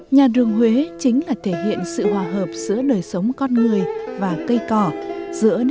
nhà rường huế chính là thể hiện sự hòa hợp giữa đời sống con người và cây cỏ giữa nếp sống tinh thần và vật chất